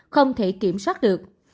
không thể kiểm soát được